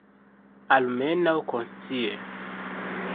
Almenaŭ konscie.